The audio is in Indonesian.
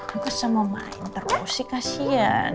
masih mau main terus sih kasian